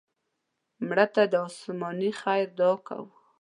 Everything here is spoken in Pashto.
مړه ته د آسماني خیر دعا کوو